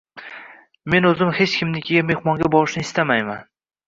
Men oʻzim hech kimnikiga mehmonga borishni istamayman.